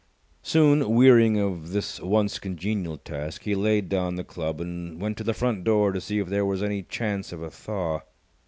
Soon wearying of this once congenial task, he laid down the club and went to the front door to see if there was any chance of a thaw.